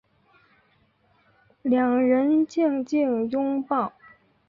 两人静静拥抱